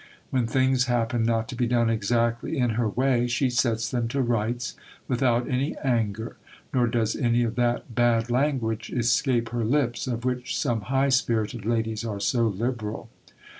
When things happen not to be done exactly in her way, she sets them to rights without any anger, nor does any of that bad language escape her lips, of which some high spirited ladies are so liberal.